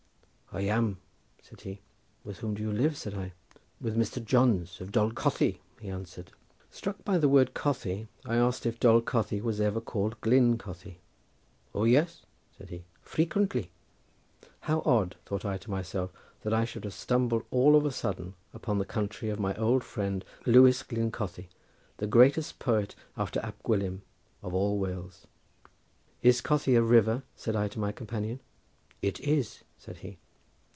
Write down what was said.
"I am," said he. "With whom do you live?" said I. "With Mr. Johnes of Dol Cothi," he answered. Struck by the word Cothi, I asked if Dol Cothi was ever called Glyn Cothi. "O yes," said he, "frequently." "How odd," thought I to myself, "that I should have stumbled all of a sudden upon the country of my old friend Lewis Glyn Cothi, the greatest poet after Ab Gwilym of all Wales!" "Is Cothi a river?" said I to my companion. "It is," said he.